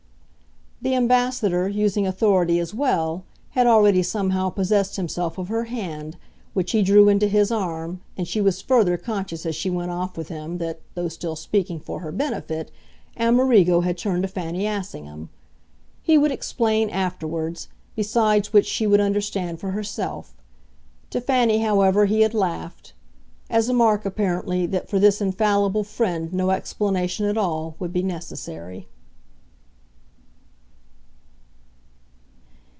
The Ambassador, using authority as well, had already somehow possessed himself of her hand, which he drew into his arm, and she was further conscious as she went off with him that, though still speaking for her benefit, Amerigo had turned to Fanny Assingham. He would explain afterwards besides which she would understand for herself. To Fanny, however, he had laughed as a mark, apparently, that for this infallible friend no explanation at all would be necessary.